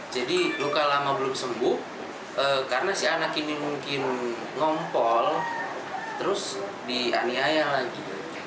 jadi luka lama belum sembuh karena si anak ini mungkin ngompol terus dianiaya lagi